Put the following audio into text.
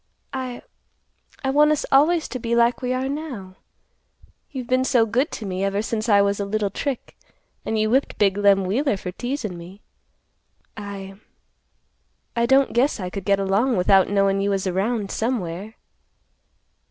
I—I want us always to be like we are now. You've been so good to me ever since I was a little trick, and you whipped big Lem Wheeler for teasin' me. I—I don't guess I could get along without knowin' you was around somewhere."